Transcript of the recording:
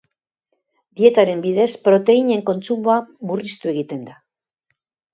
Dietaren bidez proteinen kontsumoa murriztu egiten da.